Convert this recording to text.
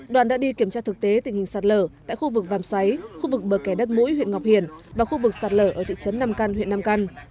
đoàn đã đi kiểm tra thực tế tình hình sạt lở tại khu vực vàm xoáy khu vực bờ kẻ đất mũi huyện ngọc hiển và khu vực sạt lở ở thị trấn nam căn huyện nam căn